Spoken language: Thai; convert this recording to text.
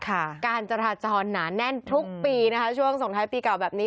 การจราจรหนาแน่นทุกปีนะคะช่วงสงท้ายปีเก่าแบบนี้